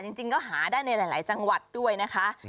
จริงก็หาได้ในหลายจังหวัดด้วยนะคะ